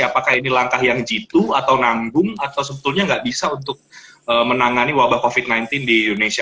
apakah ini langkah yang jitu atau nanggung atau sebetulnya nggak bisa untuk menangani wabah covid sembilan belas di indonesia